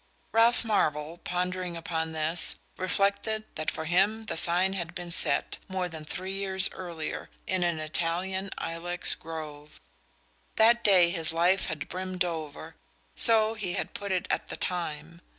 Ralph Marvell, pondering upon this, reflected that for him the sign had been set, more than three years earlier, in an Italian ilex grove. That day his life had brimmed over so he had put it at the time.